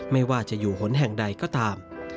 ไม่ว่าจะอยู่หนแห่งใดก็ตาม